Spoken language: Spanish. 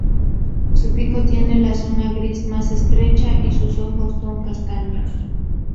Su pico tiene la zona gris más estrecha, y sus ojos son castaños.